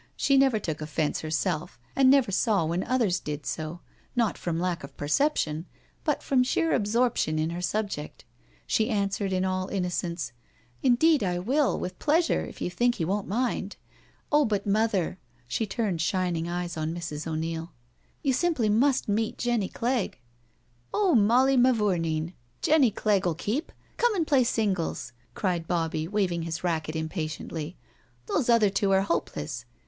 She never took offence herself, and never saw wfien others did so, not from lack of perception, but from sheer absorption in her subject. She answered in all innocence :" Indeed, I will, with pleasure, if you think he won't mind. Oh, but Mother "— she turned shining eyes on Mrs. O'Neil — "you simply must meet Jenny CleggI" " Oh, Molly mavourneen, Jenny Clegg will keep. Come and play singles," cried Bobbie, waving his rac quet impatiently: "Those other two are hopeless."